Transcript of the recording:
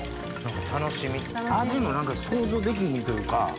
楽しみ味も何か想像できひんというか。